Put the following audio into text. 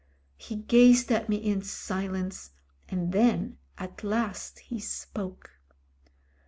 He gazed at me in silence and then at last he spoke.